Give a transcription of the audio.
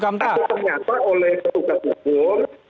tapi ternyata oleh petugas umum